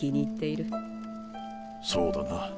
そうだな。